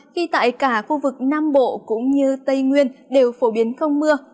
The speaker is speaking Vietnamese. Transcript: khi tại cả khu vực nam bộ cũng như tây nguyên đều phổ biến không mưa